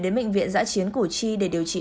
đến bệnh viện giã chiến củ chi để điều trị